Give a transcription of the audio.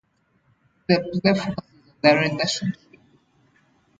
The play focuses on their relationship.